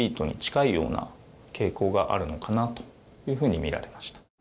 ような傾向があるのかなというふうにみられました。